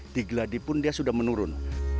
digeladi pun dia sudah menurun